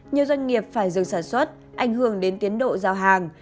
nhiều doanh nghiệp phải dừng sản xuất ảnh hưởng đến tiến độ giao hàng